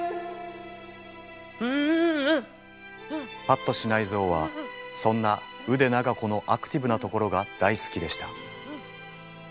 八渡支内造はそんな腕長子のアクティブなところが大好きでした。